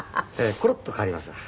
コロッと変わりますから。